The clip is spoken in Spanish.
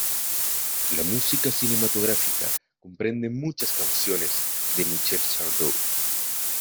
La música cinematográfica comprende muchas canciones de Michel Sardou.